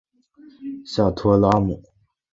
下托拉姆。